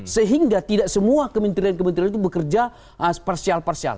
sehingga tidak semua kementerian kementerian itu bekerja sparsial sparsial